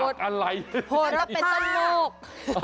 ผักอะไรโหลภาคณเป็นส้นโมก